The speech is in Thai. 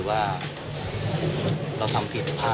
ไม่เม้าไม่ทำ